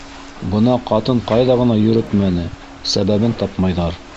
Бына ҡатын ҡайҙа ғына йөрөтмәне - сәбәбен тапмайҙар.